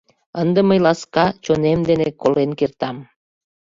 Ынде мый ласка чонем дене колен кертам!